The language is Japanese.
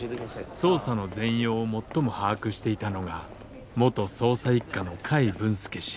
捜査の全容を最も把握していたのが元捜査一課の甲斐文助氏。